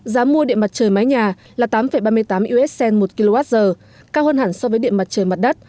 giá mua điện mặt trời mái nhà là tám ba mươi tám usd một kwh cao hơn hẳn so với điện mặt trời mặt đất